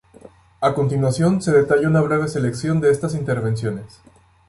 A continuación se detalla una breve selección de estas intervenciones.